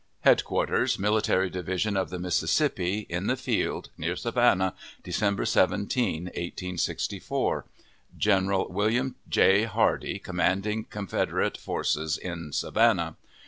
HEADQUARTERS MILITARY DIVISION OF THE MISSISSIPPI, IN THE FIELD, NEAR SAVANNAH, December 17, 1864. General WILLIAM J. HARDEE, commanding Confederate Forces in Savannah.